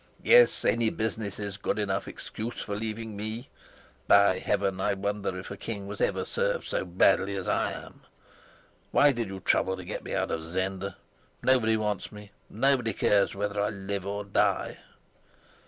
Yes, any business is a good enough excuse for leaving me! By Heaven, I wonder if a king was ever served so badly as I am! Why did you trouble to get me out of Zenda? Nobody wants me, nobody cares whether I live or die."